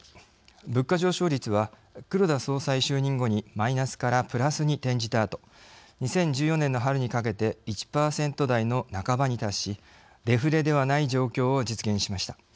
物価上昇率は、黒田総裁就任後にマイナスからプラスに転じたあと２０１４年の春にかけて１％台の半ばに達しデフレではない状況を実現しました。